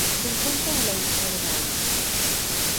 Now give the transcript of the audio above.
Se encuentra en la isla de Mauricio.